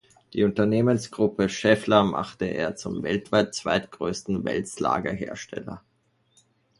Die Unternehmensgruppe Schaeffler machte er zum weltweit zweitgrößten Wälzlager-Hersteller.